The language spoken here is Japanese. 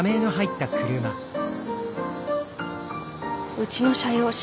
うちの社用車。